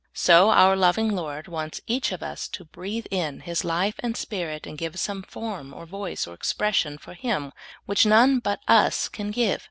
So our loving Lord wants each of us to breathe in His life and Spirit, and give some form or voice or expression for Him which none but us can give.